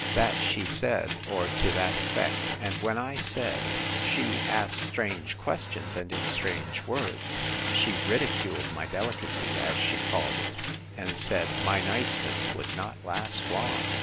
That she said, or to that effect—And when I said, She asked strange questions, and in strange words, she ridiculed my delicacy, as she called it; and said, My niceness would not last long.